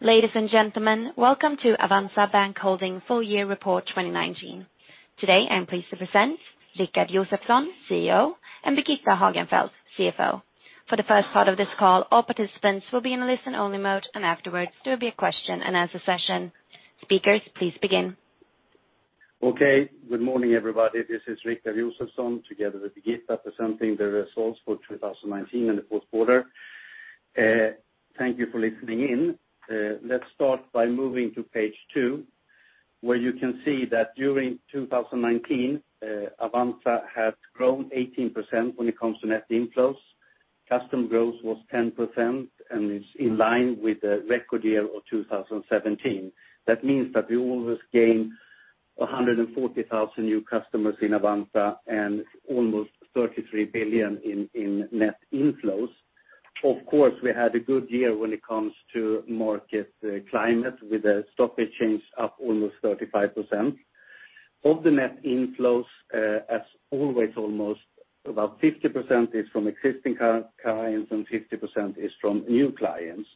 Ladies and gentlemen, welcome to Avanza Bank Holding full year report 2019. Today, I'm pleased to present Rikard Josefson, CEO, and Birgitta Hagenfeldt, CFO. For the first part of this call, all participants will be in a listen-only mode, and afterwards there will be a question and answer session. Speakers, please begin. Okay. Good morning, everybody. This is Rikard together with Birgitta, presenting the results for 2019 and the fourth quarter. Thank you for listening in. Let's start by moving to page two, where you can see that during 2019, Avanza has grown 18% when it comes to net inflows. Customer growth was 10% and is in line with the record year of 2017. That means that we always gain 140,000 new customers in Avanza and almost 33 billion in net inflows. Of course, we had a good year when it comes to market climate, with the stock exchange up almost 35%. Of the net inflows, as always, almost about 50% is from existing clients and 50% is from new clients.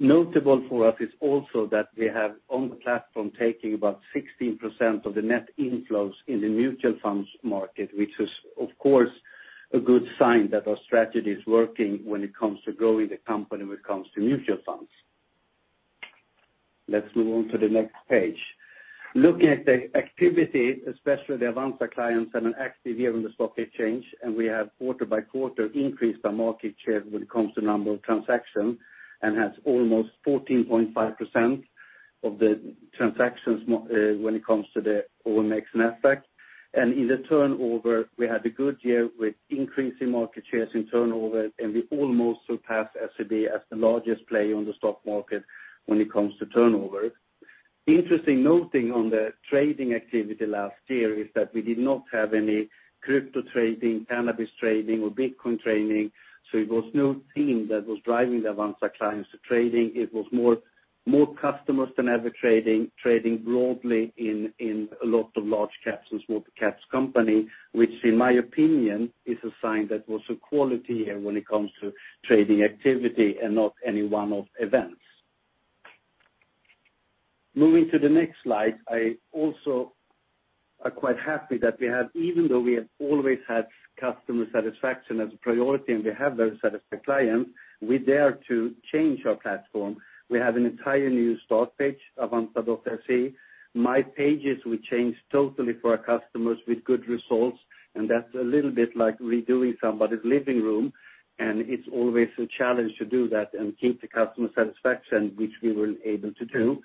Notable for us is also that we have on the platform taking about 16% of the net inflows in the mutual funds market, which is, of course, a good sign that our strategy is working when it comes to growing the company when it comes to mutual funds. Let's move on to the next page. Looking at the activity, especially the Avanza clients, had an active year on the stock exchange. We have quarter-by-quarter increase by market share when it comes to number of transactions and has almost 14.5% of the transactions when it comes to the OMX NASDAQ. In the turnover, we had a good year with increase in market shares in turnover, and we almost surpassed SEB as the largest player on the stock market when it comes to turnover. Interesting noting on the trading activity last year is that we did not have any crypto trading, cannabis trading or Bitcoin trading, so it was no theme that was driving the Avanza clients to trading. It was more customers than ever trading broadly in a lot of large caps and small caps company, which in my opinion is a sign that was a quality year when it comes to trading activity and not any one-off events. Moving to the next slide. I also am quite happy that we have, even though we have always had customer satisfaction as a priority and we have very satisfied clients, we dared to change our platform. We have an entire new start page, avanza.se. My pages will change totally for our customers with good results, and that's a little bit like redoing somebody's living room, and it's always a challenge to do that and keep the customer satisfaction, which we were able to do.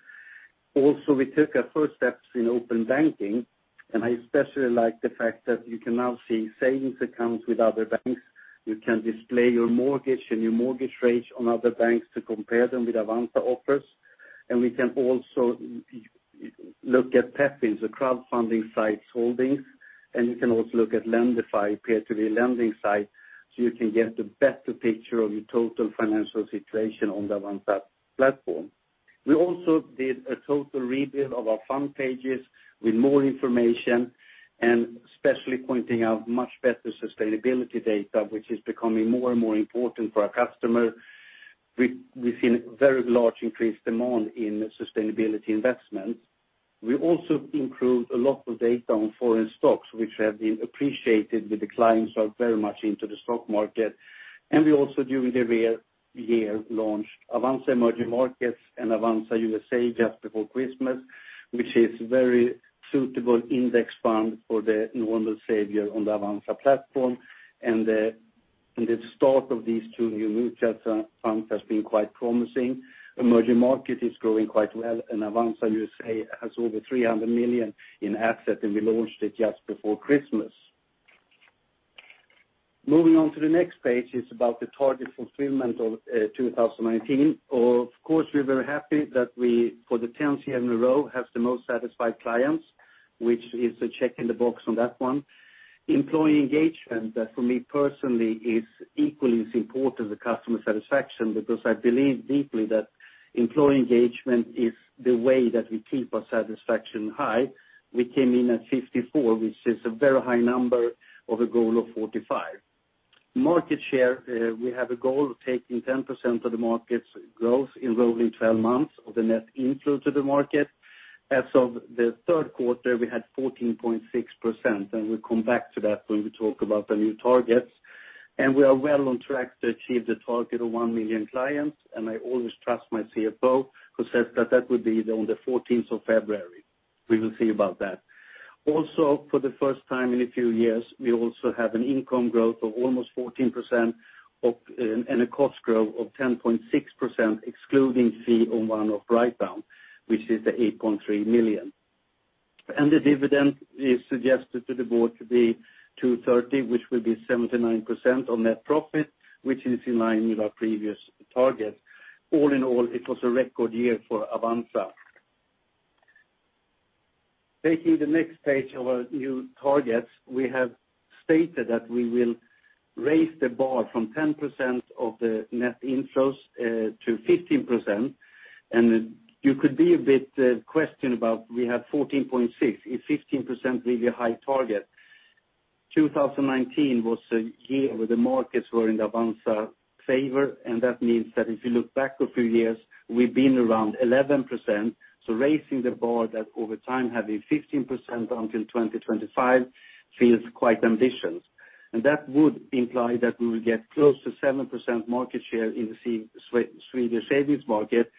Also, we took our first steps in open banking, and I especially like the fact that you can now see savings accounts with other banks. You can display your mortgage and your mortgage rates on other banks to compare them with Avanza offers. We can also look at Pepins, a crowdfunding site's holdings, and you can also look at Lendify, a peer-to-peer lending site, so you can get a better picture of your total financial situation on the Avanza platform. We also did a total rebuild of our fund pages with more information and especially pointing out much better sustainability data, which is becoming more and more important for our customers. We've seen very large increased demand in sustainability investments. We also improved a lot of data on foreign stocks, which have been appreciated with the clients who are very much into the stock market. We also during the year launched Avanza Emerging Markets and Avanza USA just before Christmas, which is very suitable index fund for the normal saver on the Avanza platform. The start of these two new mutual funds has been quite promising. Emerging Markets is growing quite well, Avanza USA has over 300 million in assets, and we launched it just before Christmas. Moving on to the next page, it's about the target fulfillment of 2019. Of course, we're very happy that we, for the 10th year in a row, have the most satisfied clients, which is a check in the box on that one. Employee engagement for me personally is equally as important as customer satisfaction because I believe deeply that employee engagement is the way that we keep our satisfaction high. We came in at 54, which is a very high number of a goal of 45. Market share, we have a goal of taking 10% of the market's growth in rolling 12 months of the net inflow to the market. As of the third quarter, we had 14.6%, and we'll come back to that when we talk about the new targets. We are well on track to achieve the target of 1 million clients, and I always trust my CFO, who says that that would be on the 14th of February. We will see about that. For the first time in a few years, we also have an income growth of almost 14% and a cost growth of 10.6%, excluding fee on one-off write-down, which is the 8.3 million. The dividend is suggested to the board to be 230, which will be 79% on net profit, which is in line with our previous target. All in all, it was a record year for Avanza. Taking the next page of our new targets, we have stated that we will raise the bar from 10% of the net inflows to 15%, and you could be a bit questioned about we have 14.6%. Is 15% really a high target? 2019 was a year where the markets were in Avanza favor, and that means that if you look back a few years, we've been around 11%. Raising the bar that over time, having 15% until 2025 feels quite ambitious. That would imply that we will get close to 7% market share in the Swedish savings market,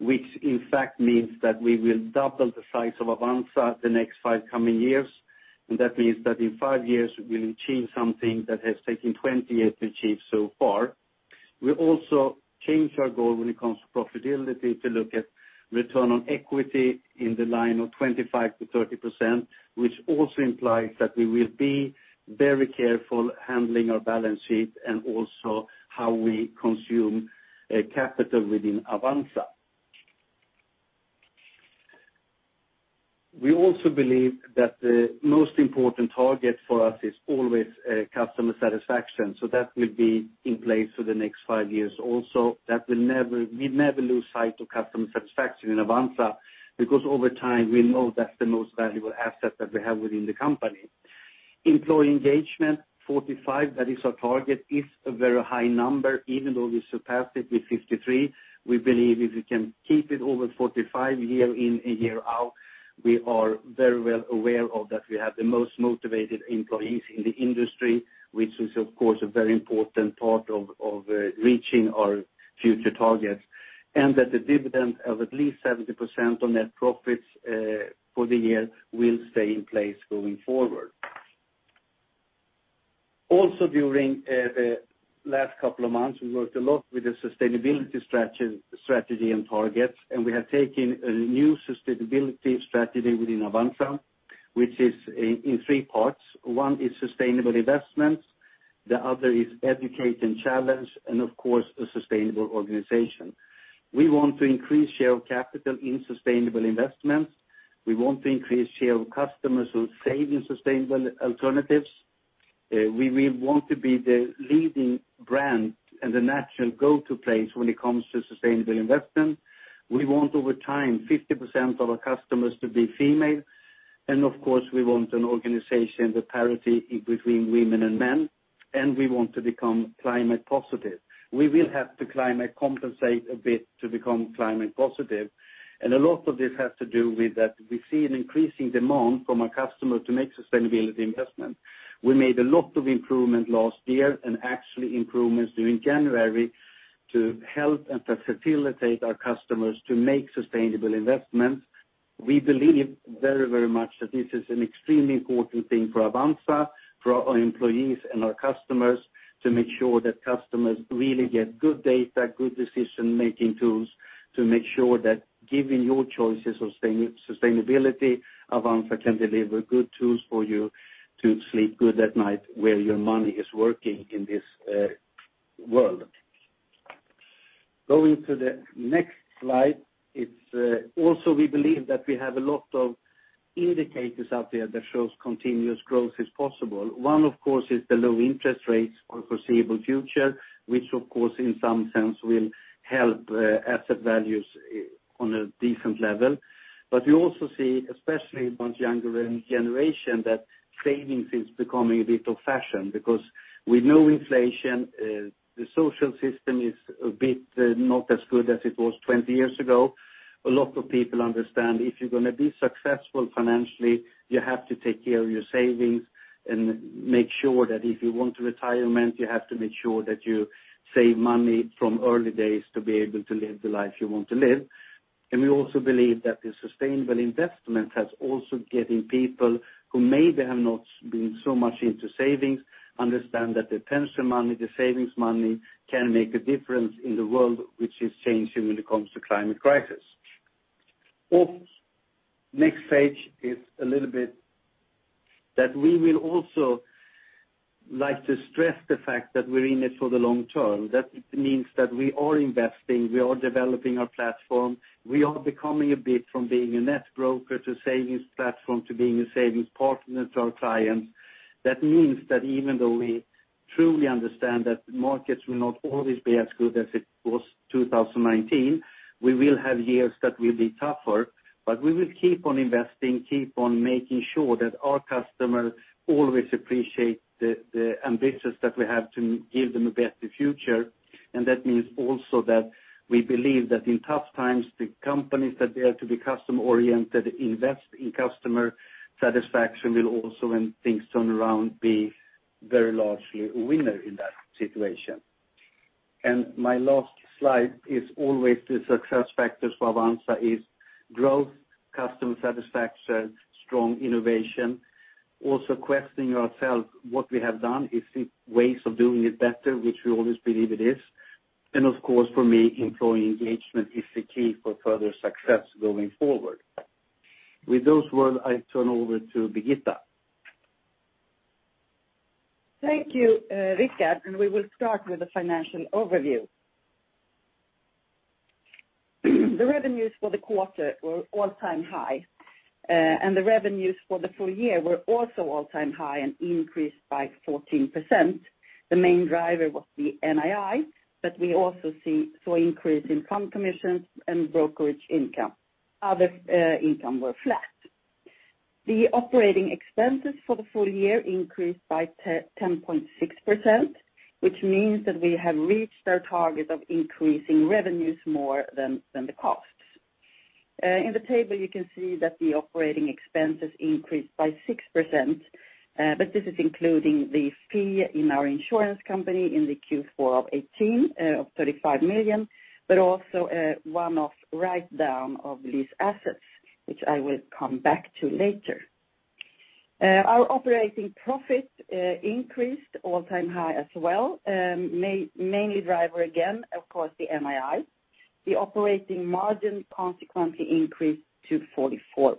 which in fact means that we will double the size of Avanza the next five coming years. That means that in five years, we will achieve something that has taken 20 years to achieve so far. We also changed our goal when it comes to profitability to look at return on equity in the line of 25%-30%, which also implies that we will be very careful handling our balance sheet and also how we consume capital within Avanza. We also believe that the most important target for us is always customer satisfaction. That will be in place for the next five years also. We never lose sight of customer satisfaction in Avanza, because over time, we know that's the most valuable asset that we have within the company. Employee engagement, 45, that is our target, is a very high number. Even though we surpassed it with 54, we believe if we can keep it over 45 year in and year out, we are very well aware of that we have the most motivated employees in the industry, which is, of course, a very important part of reaching our future targets, and that the dividend of at least 70% on net profits for the year will stay in place going forward. Also during the last couple of months, we worked a lot with the sustainability strategy and targets, and we have taken a new sustainability strategy within Avanza, which is in three parts. One is sustainable investments, the other is educate and challenge, and of course, a sustainable organization. We want to increase share of capital in sustainable investments. We want to increase share of customers who save in sustainable alternatives. We want to be the leading brand and the natural go-to place when it comes to sustainable investment. We want over time 50% of our customers to be female. Of course, we want an organization with parity between women and men, and we want to become climate positive. We will have to climate compensate a bit to become climate positive. A lot of this has to do with that we see an increasing demand from our customer to make sustainability investment. We made a lot of improvement last year and actually improvements during January to help and facilitate our customers to make sustainable investments. We believe very much that this is an extremely important thing for Avanza, for our employees and our customers to make sure that customers really get good data, good decision-making tools to make sure that given your choices of sustainability, Avanza can deliver good tools for you to sleep good at night where your money is working in this world. We believe that we have a lot of indicators out there that shows continuous growth is possible. One, of course, is the low interest rates for foreseeable future, which of course in some sense will help asset values on a decent level. We also see, especially amongst younger generation, that savings is becoming a bit of fashion because we know inflation, the social system is a bit not as good as it was 20 years ago. A lot of people understand if you're going to be successful financially, you have to take care of your savings and make sure that if you want a retirement, you have to make sure that you save money from early days to be able to live the life you want to live. We also believe that the sustainable investment has also getting people who maybe have not been so much into savings understand that the pension money, the savings money can make a difference in the world, which is changing when it comes to climate crisis. Next page is a little bit that we will also like to stress the fact that we're in it for the long term. That means that we are investing, we are developing our platform. We are becoming a bit from being a net broker to savings platform to being a savings partner to our clients. That means that even though we truly understand that markets will not always be as good as it was 2019, we will have years that will be tougher. We will keep on investing, making sure that our customers always appreciate the ambitions that we have to give them a better future. That means also that we believe that in tough times, the companies that dare to be customer-oriented, invest in customer satisfaction will also, when things turn around, be very largely a winner in that situation. My last slide is always the success factors for Avanza is growth, customer satisfaction, strong innovation. Also questioning ourselves what we have done, is it ways of doing it better, which we always believe it is. Of course, for me, employee engagement is the key for further success going forward. With those words, I turn over to Birgitta. Thank you, Rikard. We will start with the financial overview. The revenues for the quarter were all-time high. The revenues for the full year were also all-time high and increased by 14%. The main driver was the NII. We also saw increase in fund commissions and brokerage income. Other income were flat. The operating expenses for the full year increased by 10.6%, which means that we have reached our target of increasing revenues more than the costs. In the table, you can see that the operating expenses increased by 6%, but this is including the fee in our insurance company in the Q4 of 2018 of 35 million, but also a one-off write-down of lease assets, which I will come back to later. Our operating profit increased all-time high as well. Mainly driver, again, of course, the NII. The operating margin consequently increased to 44%.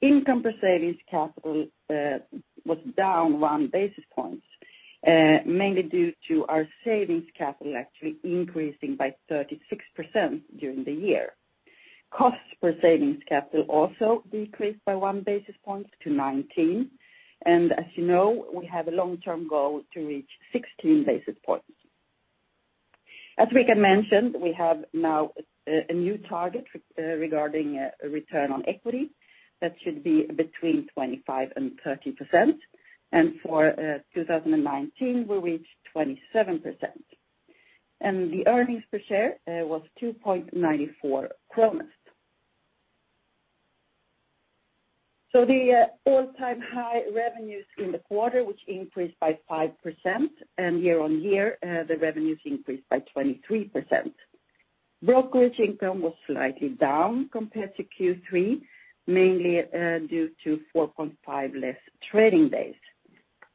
Income per savings capital was down 1 basis point, mainly due to our savings capital actually increasing by 36% during the year. Costs per savings capital also decreased by 1 basis point to 19, as you know, we have a long-term goal to reach 16 basis points. As Rikard mentioned, we have now a new target regarding return on equity that should be between 25%-30%, and for 2019, we reached 27%. The earnings per share was 2.94 kronor. The all-time high revenues in the quarter, which increased by 5%, and year-over-year, the revenues increased by 23%. Brokerage income was slightly down compared to Q3, mainly due to 4.5 less trading days.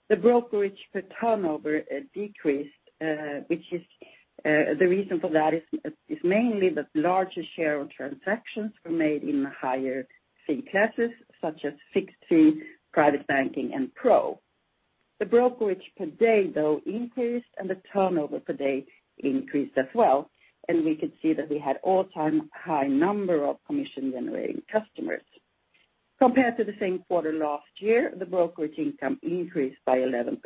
The brokerage per turnover decreased. The reason for that is mainly that larger share of transactions were made in higher fee classes, such as fixed fee, Private Banking, and Pro. The brokerage per day, though, increased. The turnover per day increased as well. We could see that we had all-time high number of commission-generating customers. Compared to the same quarter last year, the brokerage income increased by 11%.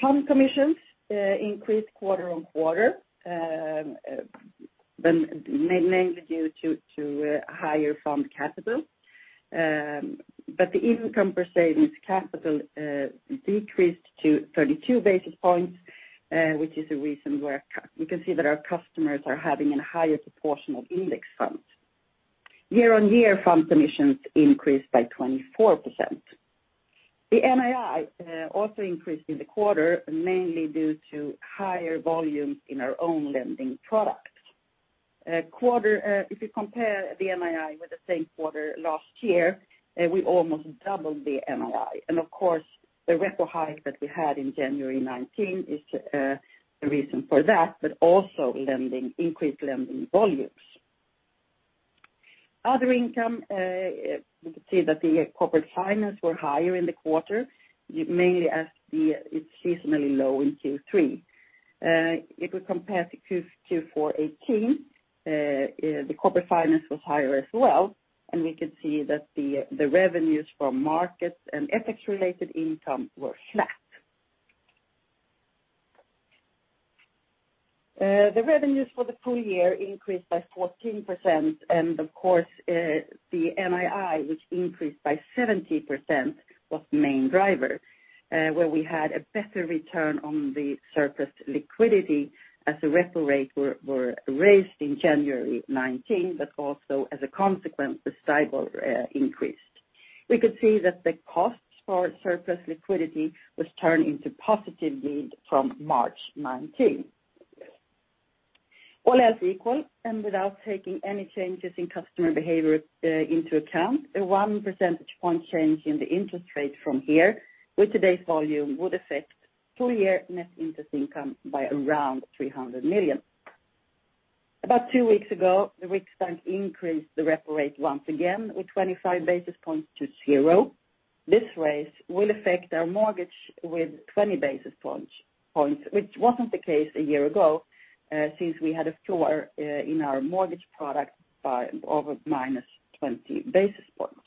Fund commissions increased quarter-on-quarter, mainly due to higher fund capital. The income per savings capital decreased to 32 basis points, which is a reason where you can see that our customers are having a higher proportion of index funds. Year-on-year, fund commissions increased by 24%. The NII also increased in the quarter, mainly due to higher volumes in our own lending products. If you compare the NII with the same quarter last year, we almost doubled the NII. Of course, the repo hike that we had in January 2019 is the reason for that, but also increased lending volumes. Other income, we could see that the corporate finance was higher in the quarter, mainly as it's seasonally low in Q3. If we compare to Q4 2018, the corporate finance was higher as well, and we could see that the revenues from markets and FX-related income were flat. The revenues for the full year increased by 14%, and of course, the NII, which increased by 70%, was the main driver, where we had a better return on the surplus liquidity as the repo rate was raised in January 2019, but also as a consequence, the STIBOR increased. We could see that the costs for surplus liquidity were turned into positive yield from March 2019. All else equal, without taking any changes in customer behavior into account, a one percentage point change in the interest rate from here with today's volume would affect full year net interest income by around 300 million. About two weeks ago, the Riksbank increased the repo rate once again with 25 basis points to zero. This raise will affect our mortgage with 20 basis points, which wasn't the case a year ago, since we had a floor in our mortgage product by over -20 basis points.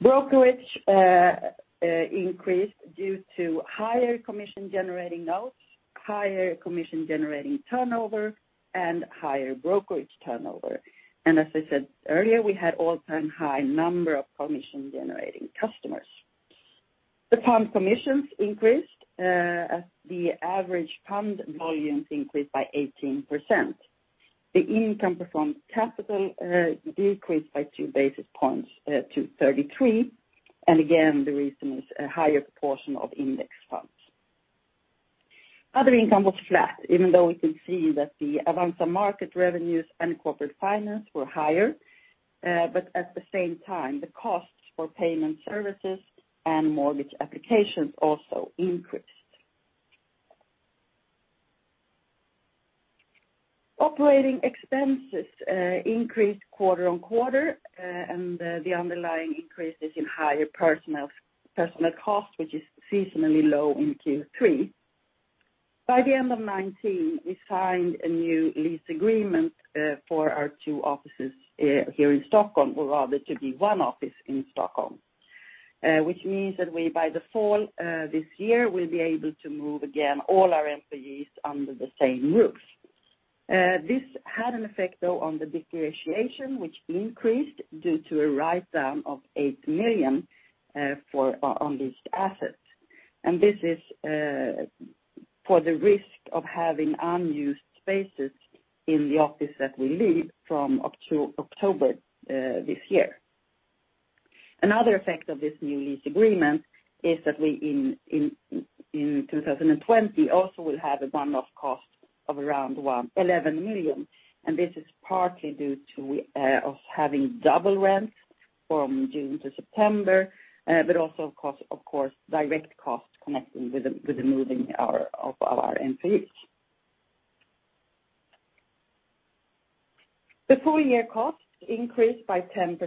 Brokerage increased due to higher commission-generating notes, higher commission-generating turnover, higher brokerage turnover. As I said earlier, we had all-time high number of commission-generating customers. The fund commissions increased as the average fund volumes increased by 18%. The income performed capital decreased by two basis points to 33%. Again, the reason is a higher proportion of index funds. Other income was flat, even though we could see that the Avanza market revenues and corporate finance were higher. At the same time, the costs for payment services and mortgage applications also increased. Operating expenses increased quarter-on-quarter, and the underlying increase is in higher personnel cost, which is seasonally low in Q3. By the end of 2019, we signed a new lease agreement for our two offices here in Stockholm, or rather to be one office in Stockholm. Which means that by the fall this year, we'll be able to move again all our employees under the same roof. This had an effect, though, on the depreciation, which increased due to a write-down of 8 million on leased assets. This is for the risk of having unused spaces in the office that we leave from October this year. Another effect of this new lease agreement is that we, in 2020, also will have a one-off cost of around 11 million, and this is partly due to us having double rent from June to September, but also, of course, direct costs connecting with the moving of our employees. The full-year costs increased by 10%,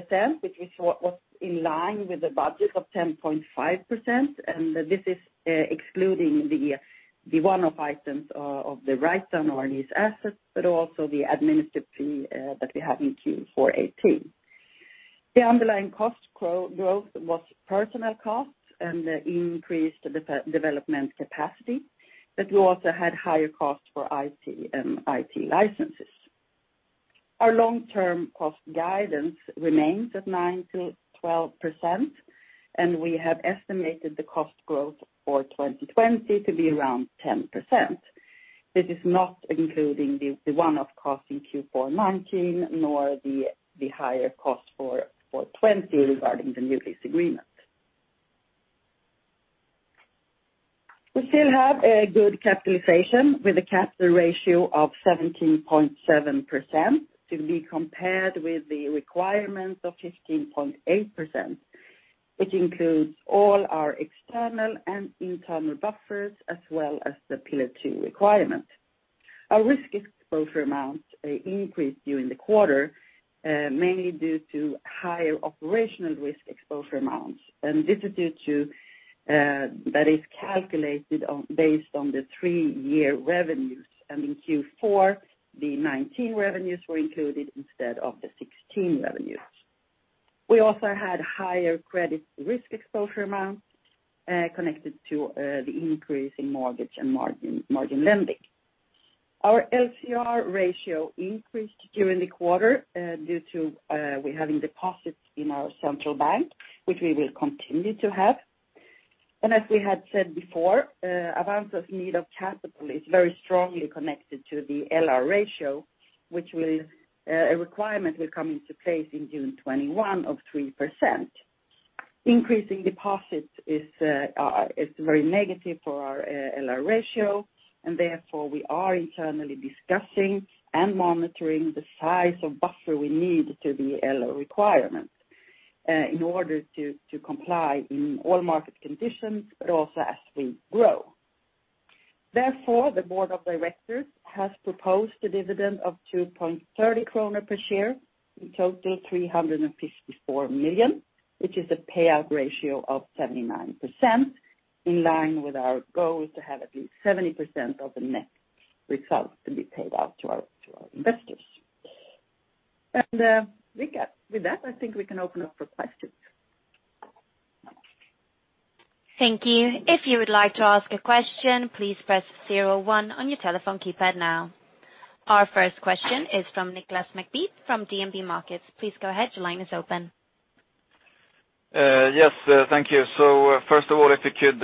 which was in line with the budget of 10.5%, and this is excluding the one-off items of the write-down on our lease assets, but also the administrative fee that we had in Q4 2018. The underlying cost growth was personnel costs and increased development capacity, but we also had higher costs for IT and IT licenses. Our long-term cost guidance remains at 9%-12%, and we have estimated the cost growth for 2020 to be around 10%. This is not including the one-off cost in Q4 2019, nor the higher cost for 2020 regarding the new lease agreement. We still have a good capitalization with a capital ratio of 17.7% to be compared with the requirements of 15.8%, which includes all our external and internal buffers, as well as the Pillar 2 requirement. Our risk exposure amounts increased during the quarter, mainly due to higher operational risk exposure amounts. That is calculated based on the three-year revenues. In Q4, the 2019 revenues were included instead of the 2016 revenues. We also had higher credit risk exposure amounts connected to the increase in mortgage and margin lending. Our LCR ratio increased during the quarter due to we having deposits in our central bank, which we will continue to have. As we had said before, Avanza's need of capital is very strongly connected to the LR ratio, which a requirement will come into place in June 2021 of 3%. Increasing deposits is very negative for our LR ratio, and therefore, we are internally discussing and monitoring the size of buffer we need to the LR requirement in order to comply in all market conditions, but also as we grow. Therefore, the board of directors has proposed a dividend of 2.30 kronor per share, in total 354 million, which is a payout ratio of 79%, in line with our goal to have at least 70% of the net results to be paid out to our investors. With that, I think we can open up for questions. Thank you. If you would like to ask a question, please press 01 on your telephone keypad now. Our first question is from Niklas Thulin from DNB Markets. Please go ahead. Your line is open. Yes, thank you. First of all, if you could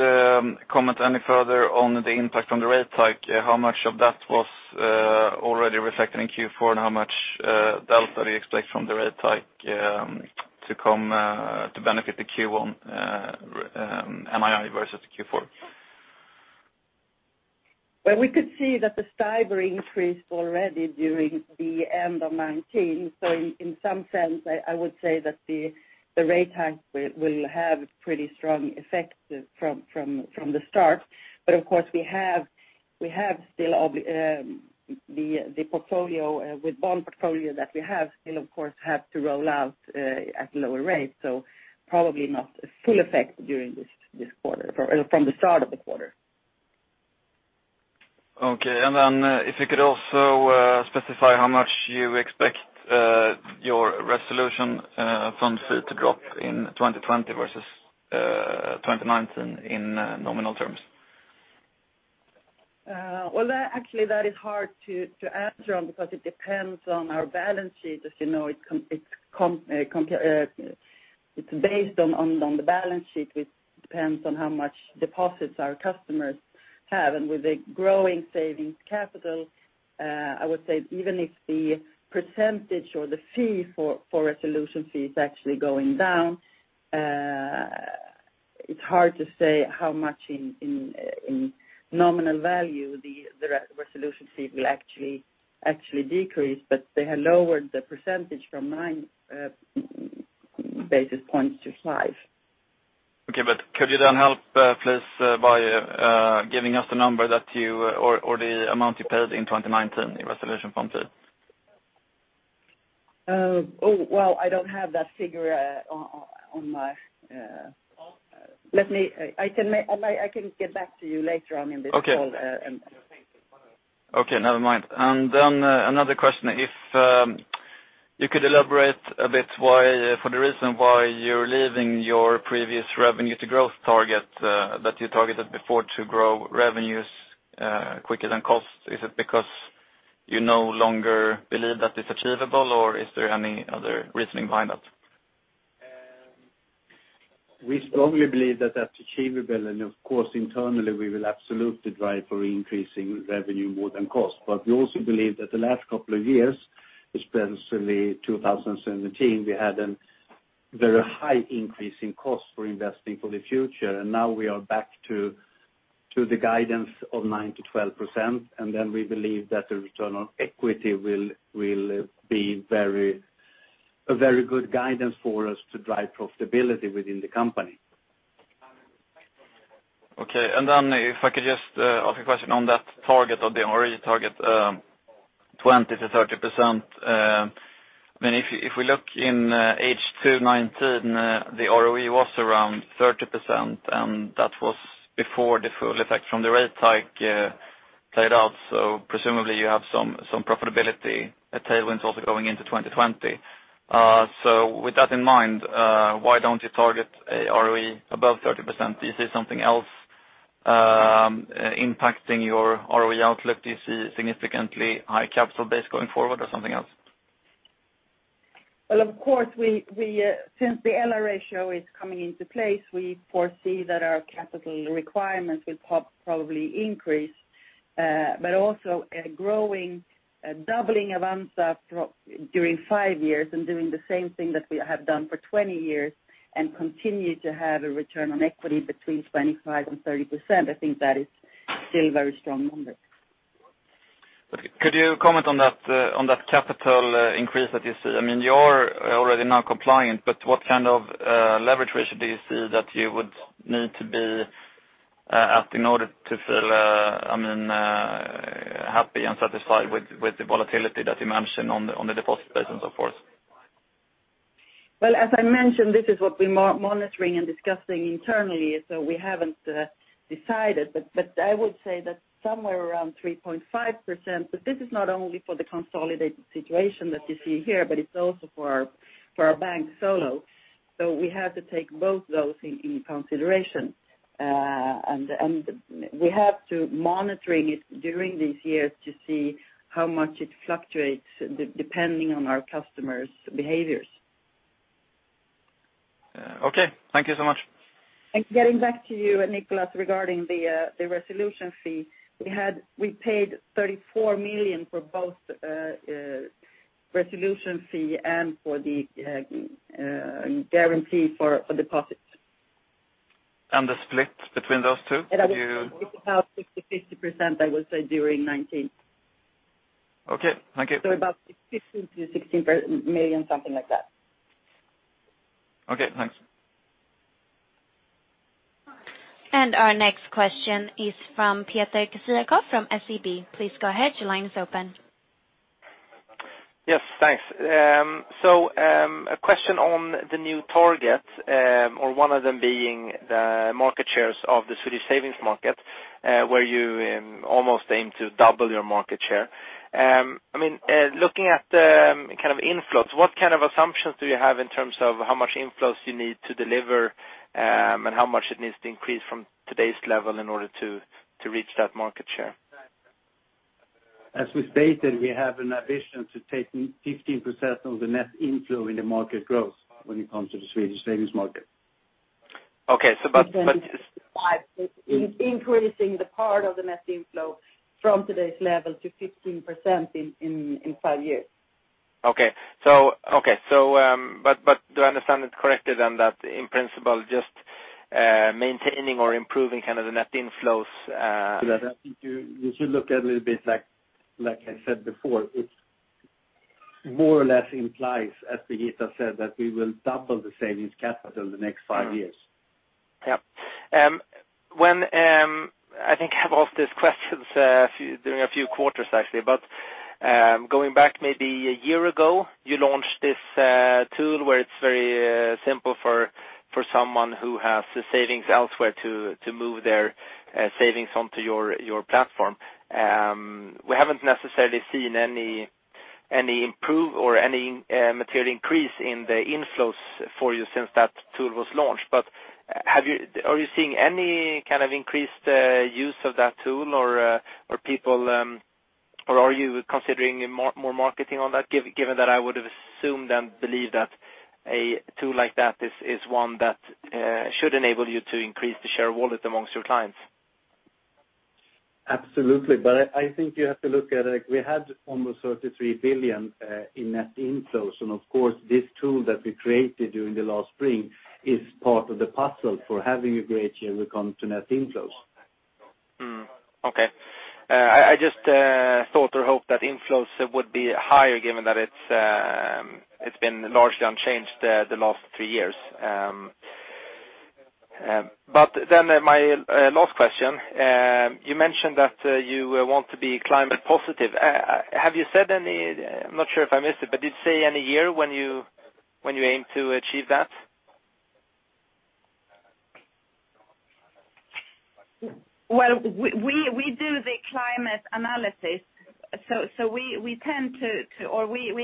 comment any further on the impact from the rate hike, how much of that was already reflected in Q4, how much delta do you expect from the rate hike to benefit the Q1 NII versus Q4? Well, we could see that the STIBOR increased already during the end of 2019, so in some sense, I would say that the rate hike will have pretty strong effect from the start. Of course we have still the bond portfolio that we have, still of course have to roll out at lower rates, so probably not a full effect from the start of the quarter. Okay. If you could also specify how much you expect your resolution funds fee to drop in 2020 versus 2019 in nominal terms. Well, actually, that is hard to answer on because it depends on our balance sheet. As you know, it's based on the balance sheet, which depends on how much deposits our customers have. With a growing savings capital, I would say even if the percentage or the fee for resolution fee is actually going down, it's hard to say how much in nominal value the resolution fee will actually decrease. They have lowered the percentage from nine basis points to five. Okay. Could you then help, please, by giving us the number or the amount you paid in 2019 in resolution fund fee? Oh, well, I don't have that figure. I can get back to you later on in this call. Okay, never mind. Another question, if you could elaborate a bit for the reason why you're leaving your previous revenue to growth target that you targeted before to grow revenues quicker than cost. Is it because you no longer believe that it's achievable, or is there any other reasoning behind that? We strongly believe that that's achievable, and of course, internally, we will absolutely drive for increasing revenue more than cost. We also believe that the last couple of years, especially 2017, we had a very high increase in cost for investing for the future. Now we are back to the guidance of 9% to 12%, and then we believe that the return on equity will be a very good guidance for us to drive profitability within the company. If I could just ask a question on that target of the ROE target, 20% to 30%. If we look in H2 2019, the ROE was around 30%, and that was before the full effect from the rate hike played out. Presumably, you have some profitability, a tailwind also going into 2020. With that in mind, why don't you target a ROE above 30%? Is it something else impacting your ROE outlook? Do you see significantly high capital base going forward or something else? Well, of course, since the LR ratio is coming into place, we foresee that our capital requirements will probably increase. Also a growing, doubling of Avanza during five years and doing the same thing that we have done for 20 years and continue to have a return on equity between 25% and 30%. I think that is still a very strong number. Could you comment on that capital increase that you see? You're already now compliant. What kind of Leverage Ratio do you see that you would need to be at in order to feel happy and satisfied with the volatility that you mentioned on the deposit base and so forth? Well, as I mentioned, this is what we're monitoring and discussing internally, so we haven't decided. I would say that somewhere around 3.5%, but this is not only for the consolidated situation that you see here, but it's also for our bank solo. We have to take both those into consideration. We have to monitor it during these years to see how much it fluctuates depending on our customers' behaviors. Okay, thank you so much. Getting back to you, Niklas, regarding the resolution fee, we paid 34 million for both resolution fee and for the guarantee for deposits. The split between those two? It's about 60/50%, I would say, during 2019. Okay. Thank you. About 15 million-16 million, something like that. Okay, thanks. Our next question is from Peter Kessiakoff from SEB. Please go ahead. Your line is open. Yes, thanks. A question on the new target, or one of them being the market shares of the Swedish savings market, where you almost aim to double your market share. Looking at the kind of inflows, what kind of assumptions do you have in terms of how much inflows you need to deliver, and how much it needs to increase from today's level in order to reach that market share? As we stated, we have an ambition to take 15% of the net inflow in the market growth when it comes to the Swedish savings market. Okay. Increasing the part of the net inflow from today's level to 15% in five years. Okay. Do I understand it correctly then that in principle, just maintaining or improving the net inflows. You should look at it a little bit like I said before, it more or less implies, as Birgitta said, that we will double the savings capital in the next five years. Yep. I think I've asked these questions during a few quarters, actually. Going back maybe a year ago, you launched this tool where it's very simple for someone who has the savings elsewhere to move their savings onto your platform. We haven't necessarily seen any material increase in the inflows for you since that tool was launched. Are you seeing any increased use of that tool or are you considering more marketing on that, given that I would assume then believe that a tool like that is one that should enable you to increase the share wallet amongst your clients? Absolutely. I think you have to look at it. We had almost 33 billion in net inflows, Of course, this tool that we created during the last spring is part of the puzzle for having a great year when it comes to net inflows. Okay. I just thought or hoped that inflows would be higher given that it's been largely unchanged the last three years. My last question, you mentioned that you want to be climate positive. I'm not sure if I missed it, did you say any year when you aim to achieve that? Well, we do the climate analysis, so we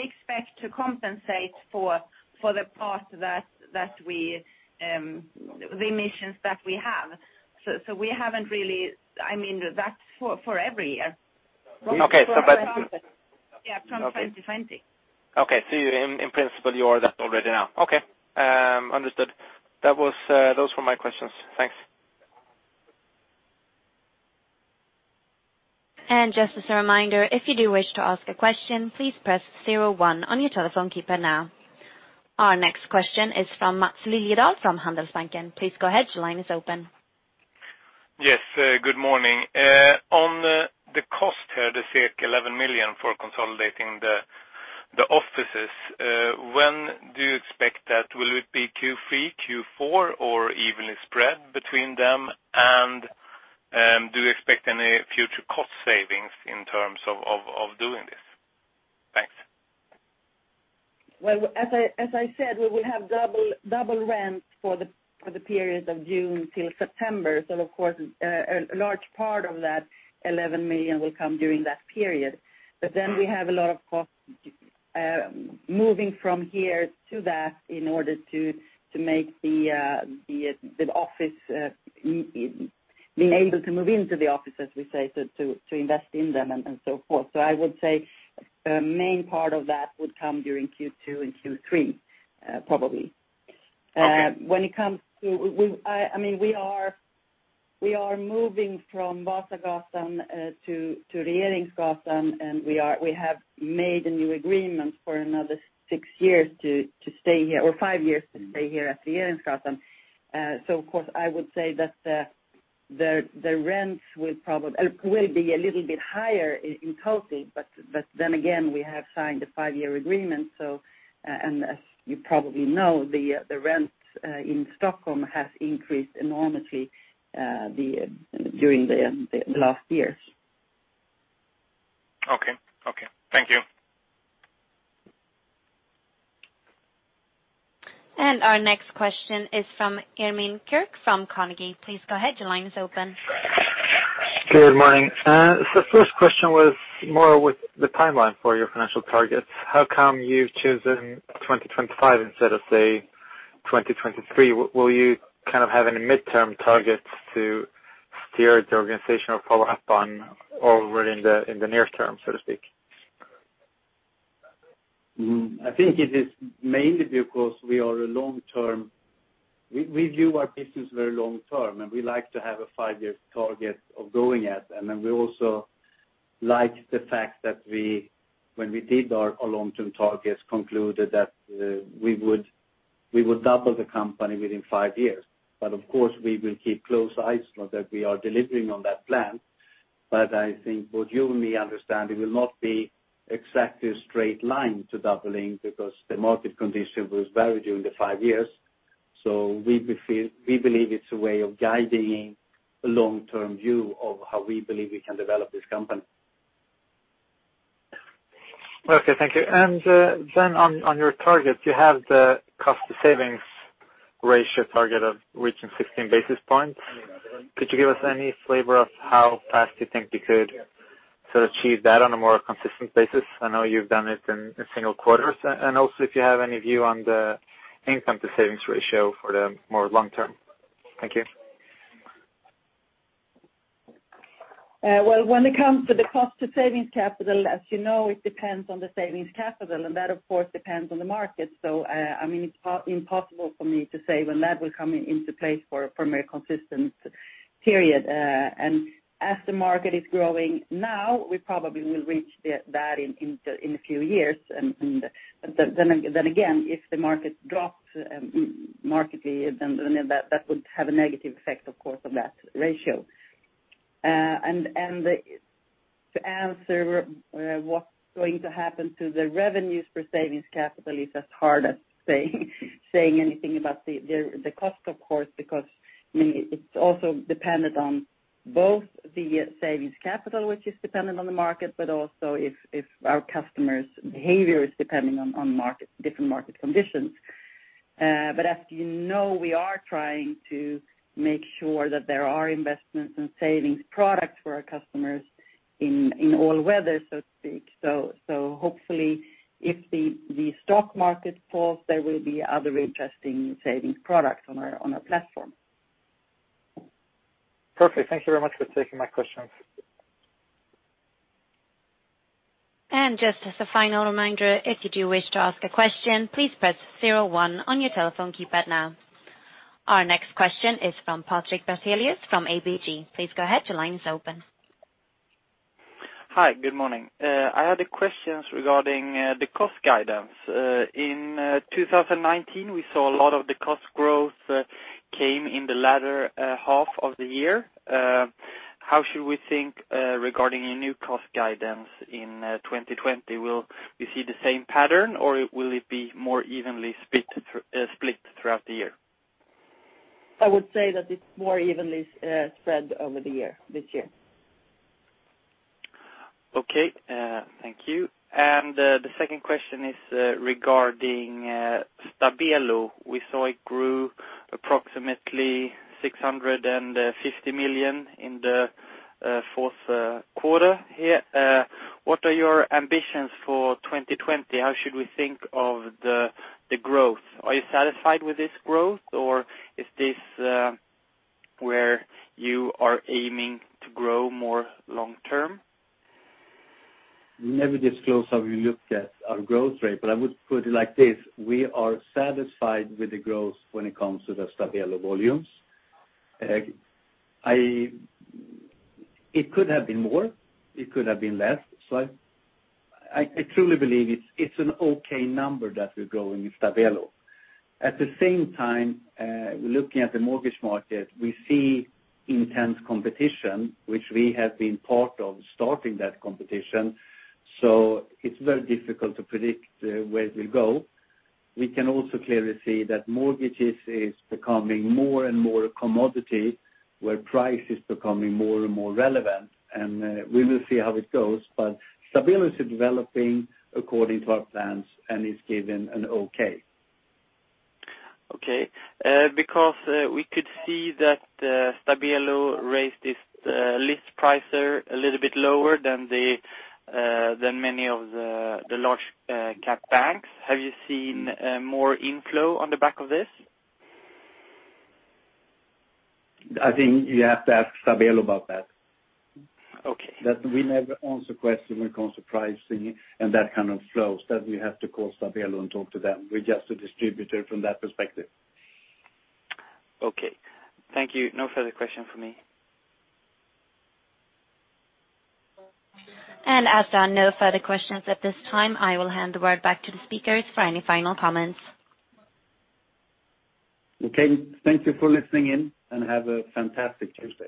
expect to compensate for the emissions that we have. That's for every year. Okay. From 2020. Okay. In principle you are that already now. Okay. Understood. Those were my questions. Thanks. Just as a reminder, if you do wish to ask a question, please press 01 on your telephone keypad now. Our next question is from Mats Lindahl from Handelsbanken. Please go ahead, your line is open. Yes, good morning. On the cost here, the 11 million for consolidating the offices, when do you expect that? Will it be Q3, Q4, or evenly spread between them? Do you expect any future cost savings in terms of doing this? Thanks. As I said, we will have double rent for the period of June till September. Of course, a large part of that 11 million will come during that period. We have a lot of cost moving from here to there in order to being able to move into the office, as we say, to invest in them and so forth. I would say the main part of that would come during Q2 and Q3, probably. Okay. We are moving from Vasagatan to Regeringsgatan. We have made a new agreement for another six years to stay here, or five years to stay here at Regeringsgatan. Of course, I would say that the rent will be a little bit higher in total. We have signed a five-year agreement. As you probably know, the rent in Stockholm has increased enormously during the last years. Okay. Thank you. Our next question is from Ermin Keric from Carnegie. Please go ahead. Your line is open. Good morning. First question was more with the timeline for your financial targets. How come you've chosen 2025 instead of, say, 2023? Will you have any midterm targets to steer the organization or follow up on already in the near term, so to speak? I think it is mainly because we view our business very long-term, and we like to have a five-year target of going at. We also like the fact that when we did our long-term targets, concluded that we would double the company within five years. Of course, we will keep close eyes so that we are delivering on that plan. I think both you and me understand it will not be exactly a straight line to doubling, because the market condition will vary during the five years. We believe it's a way of guiding a long-term view of how we believe we can develop this company. Okay, thank you. On your targets, you have the cost to savings ratio target of reaching 16 basis points. Could you give us any flavor of how fast you think you could achieve that on a more consistent basis? I know you've done it in single quarters. If you have any view on the income to savings ratio for the more long-term. Thank you. Well, when it comes to the cost to savings capital, as you know, it depends on the savings capital, and that of course depends on the market. It's impossible for me to say when that will come into place for a more consistent period. As the market is growing now, we probably will reach that in a few years. If the market drops markedly, then that would have a negative effect, of course, on that ratio. To answer what's going to happen to the revenues for savings capital is as hard as saying anything about the cost, of course, because it's also dependent on both the savings capital, which is dependent on the market, but also if our customers' behavior is depending on different market conditions. As you know, we are trying to make sure that there are investments and savings products for our customers in all weather, so to speak. Hopefully if the stock market falls, there will be other interesting savings products on our platform. Perfect. Thank you very much for taking my questions. Just as a final reminder, if you do wish to ask a question, please press 01 on your telephone keypad now. Our next question is from Patrik Brattelius from ABG. Please go ahead, your line is open. Hi, good morning. I had a question regarding the cost guidance. In 2019, we saw a lot of the cost growth came in the latter half of the year. How should we think regarding a new cost guidance in 2020? Will we see the same pattern or will it be more evenly split throughout the year? I would say that it's more evenly spread over the year this year. Okay. Thank you. The second question is regarding Stabelo. We saw it grew approximately 650 million in the fourth quarter here. What are your ambitions for 2020? How should we think of the growth? Are you satisfied with this growth, or is this where you are aiming to grow more long-term? Never disclose how we look at our growth rate. I would put it like this: we are satisfied with the growth when it comes to the Stabelo volumes. It could have been more, it could have been less. I truly believe it's an okay number that we grow in Stabelo. At the same time, looking at the mortgage market, we see intense competition, which we have been part of starting that competition. It's very difficult to predict where it will go. We can also clearly see that mortgages is becoming more and more a commodity, where price is becoming more and more relevant, and we will see how it goes. Stabelo is developing according to our plans, and it's given an okay. Okay. We could see that Stabelo raised its list price a little bit lower than many of the large cap banks. Have you seen more inflow on the back of this? I think you have to ask Stabelo about that. Okay. We never answer question when it comes to pricing and that kind of flows, that we have to call Stabelo and talk to them. We're just a distributor from that perspective. Okay. Thank you. No further question from me. As there are no further questions at this time, I will hand the word back to the speakers for any final comments. Okay. Thank you for listening in, and have a fantastic Tuesday.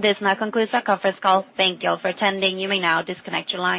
This now concludes our conference call. Thank you all for attending. You may now disconnect your lines.